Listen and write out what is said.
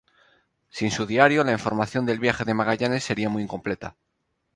Sin su diario, la información del viaje de Magallanes sería muy incompleta.